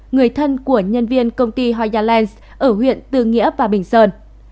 người thân của nhân viên công ty hoya lens ở huyện tư nghĩa và bình sơn